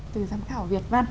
từ giám khảo việt văn